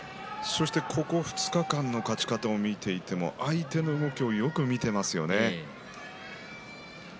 ここ２日間の勝ち方を見ると相手の動きをよく見ていますよね。